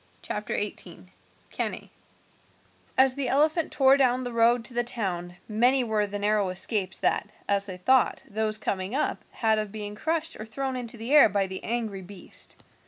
CHAPTER XVIII: CANNAE As the elephant tore down the road to the town many were the narrow escapes that, as they thought, those coming up had of being crushed or thrown into the air by the angry beast.